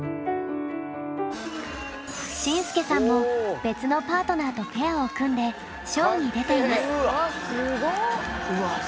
進陪さんも別のパートナーとペアを組んでショーに出ています。